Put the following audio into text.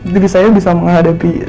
diri saya bisa menghadapi